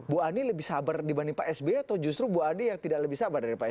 bu adi lebih sabar dibanding pak sbe atau justru bu adi yang tidak lebih sabar dari pak sbe